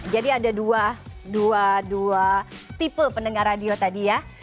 jadi ada dua dua people pendengar radio tadi ya